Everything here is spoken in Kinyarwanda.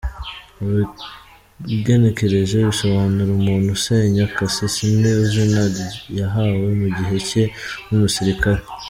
Ugenekereje bisobanura ‘umuntu usenya’, Kasisi ni izina yahawe mu gihe cye nk’umusirikare.